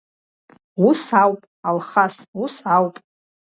Ус ауп, Алхас, ус ауп.